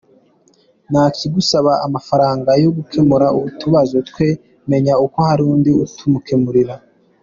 Ntakigusaba amafaranga yo gukemura utubazo twe, menya ko hari undi utumukemurira.